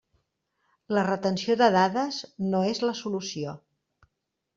La retenció de dades no és la solució!